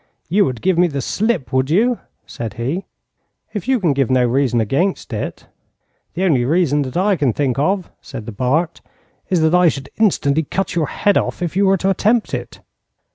'You would give me the slip, would you?' said he. 'If you can give no reason against it.' 'The only reason that I can think of,' said the Bart, 'is that I should instantly cut your head off if you were to attempt it.'